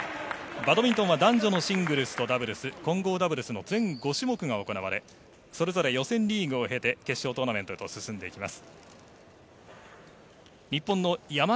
バドミントンは男女のシングルスとダブルス混合ダブルスの全５種目が行われそれぞれ予選リーグを経て決勝トーナメントへと進んでいきます。